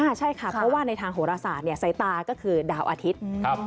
ใช่ค่ะเพราะว่าในทางโหรศาสตร์สายตาก็คือดาวอาทิตย์